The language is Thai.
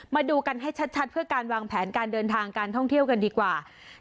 มาดูกันให้ชัดเพื่อการวางแผนการเดินทางการท่องเที่ยวกันดีกว่า